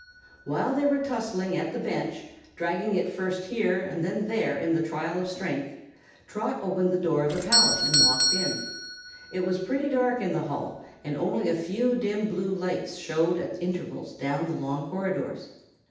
While they were tussling at the bench, dragging it first here and then there in the trial of strength, Trot opened the door of the palace and walked in. It was pretty dark in the hall and only a few dim blue lights showed at intervals down the long corridors.